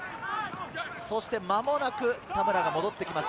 間もなく田村が戻ってきます。